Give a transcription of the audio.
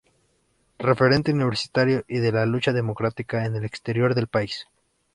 Referente universitario y de la lucha democrática en el exterior del país.